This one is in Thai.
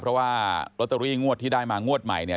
เพราะว่าลอตเตอรี่งวดที่ได้มางวดใหม่เนี่ย